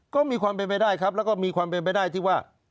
ก็มีความเป็นไปได้ครับแล้วก็มีความเป็นไปได้ที่ว่า